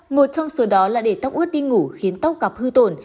một trong số đó là để tóc ướt đi ngủ khiến tóc cặp hư tổn